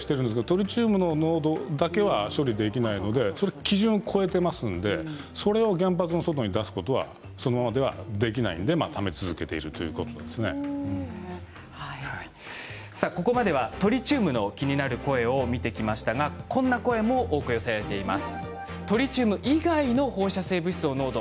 トリチウムの濃度だけは処理できないので基準を超えていますのでそれを原発の外に出すことはそのままではできないのでため続けているここまではトリチウムの気になる声を見てきましたがこんな声も多く寄せられています。